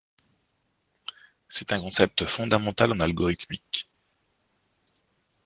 C'est un concept fondamental en algorithmique.